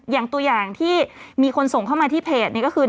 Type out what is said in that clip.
อย่างตัวอย่างที่มีคนส่งเข้ามาที่เพจนี่ก็คือ